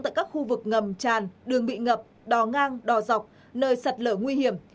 tại các khu vực ngầm tràn đường bị ngập đò ngang đò dọc nơi sạt lở nguy hiểm